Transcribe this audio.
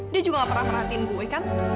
dia juga gak pernah perhatiin gue kan